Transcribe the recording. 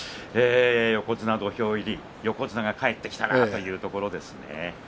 横綱土俵入り横綱が帰ってきたなというところですね。